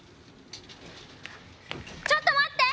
ちょっと待って！